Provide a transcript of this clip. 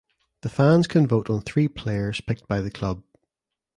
The fans can vote on three players picked by the club.